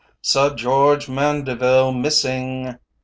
"SIR GEORGE MANDERVILLE MISSING!"